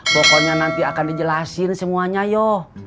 pokoknya nanti akan dijelasin semuanya yuk